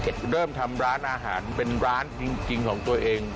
เริ่มทำร้านอาหารเป็นร้านจริงของตัวเอง